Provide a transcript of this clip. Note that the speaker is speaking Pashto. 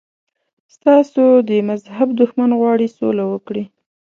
ستاسو د مذهب دښمن غواړي سوله وکړي.